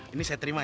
ini saya terima ya